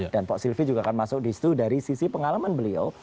dan pak sylvi juga akan masuk disitu dari sisi pengalaman beliau